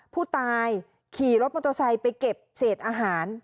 ผู้ตายขี่รถมอเตอร์ไซค์ไปเก็บเศษอาหาร